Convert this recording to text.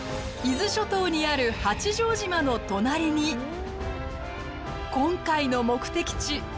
伊豆諸島にある八丈島の隣に今回の目的地